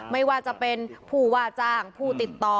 ไม่ว่าจะเป็นผู้ว่าจ้างผู้ติดต่อ